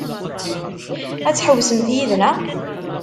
Ad tḥewwsemt yid-neɣ?